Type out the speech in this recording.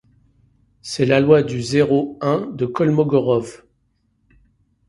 C'est la loi du zéro un de Kolmogorov.